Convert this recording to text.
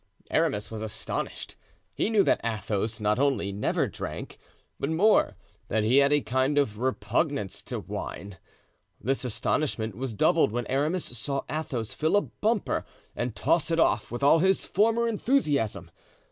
Aramis was astonished. He knew that Athos not only never drank, but more, that he had a kind of repugnance to wine. This astonishment was doubled when Aramis saw Athos fill a bumper and toss it off with all his former enthusiasm.